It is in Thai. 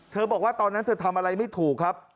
บอกว่าตอนนั้นเธอทำอะไรไม่ถูกครับ